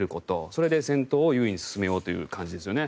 それで戦闘を優位に進めようという感じですよね。